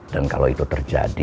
dan kalau itu terjadi